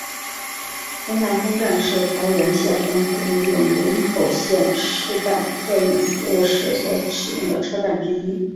海湖车站是桃园县政府利用林口线试办客运服务时所使用的车站之一。